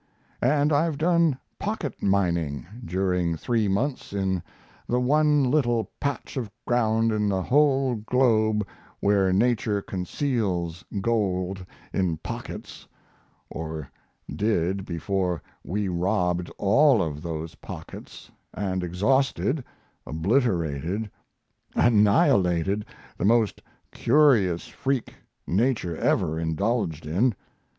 And I've done "pocket mining" during three months in the one little patch of ground in the whole globe where Nature conceals gold in pockets or did before we robbed all of those pockets and exhausted, obliterated, annihilated the most curious freak Nature ever indulged in.